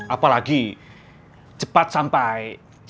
apalagi cepat sampai